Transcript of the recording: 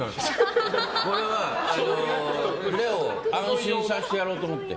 これはレオを安心させてやろうと思って。